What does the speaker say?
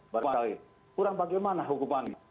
barangkali kurang bagaimana hukuman